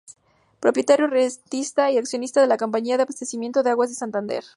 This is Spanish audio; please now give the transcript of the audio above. Propietario rentista y accionista de la Compañía de Abastecimiento de Aguas de Santander.